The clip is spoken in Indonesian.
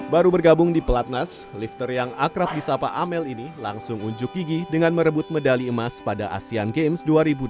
baru bergabung di pelatnas lifter yang akrab di sapa amel ini langsung unjuk gigi dengan merebut medali emas pada asean games dua ribu delapan belas